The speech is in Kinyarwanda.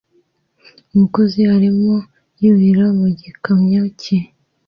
Umukozi arimo yurira mu gikamyo cye